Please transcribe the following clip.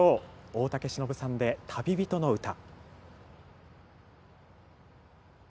大竹しのぶさんで「旅人のうた」。